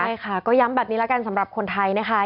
ใช่ค่ะก็ย้ำแบบนี้แล้วกันสำหรับคนไทยนะคะ